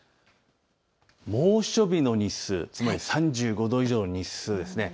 猛暑日の日数、つまり３５度以上の日数です。